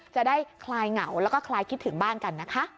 คลายเหงาแล้วก็คลายคิดถึงบ้านกันนะคะ